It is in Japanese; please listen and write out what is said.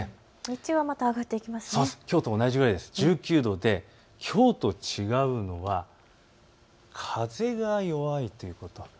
日中はきょうと同じくらい１９度で、きょうと違うのは風が弱いということ。